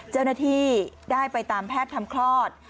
เจ้าหน้าที่ได้ไปตามแพทย์ทำคลอด